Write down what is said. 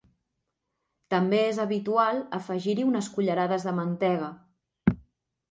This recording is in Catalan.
També és habitual afegir-hi unes cullerades de mantega.